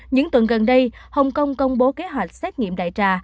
những tuần gần đây hồng kông công bố kế hoạch xét nghiệm đại trà